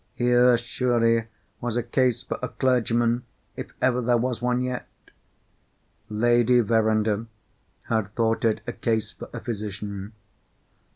Here surely was a case for a clergyman, if ever there was one yet! Lady Verinder had thought it a case for a physician.